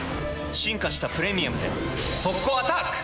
進化した「プレミアム」で速攻アタック！